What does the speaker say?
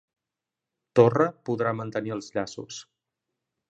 Torra podrà mantenir els llaços